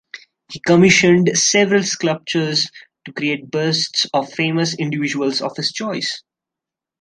He commissioned several sculptors to create busts of famous individuals of his choice.